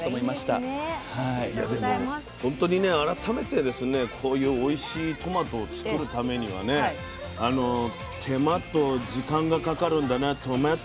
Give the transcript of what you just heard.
でもほんとにね改めてですねこういうおいしいトマトを作るためにはね手間と時間がかかるんだな「トマと」時間がかかるんだなと思いました。